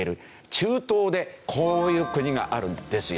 中東でこういう国があるんですよ。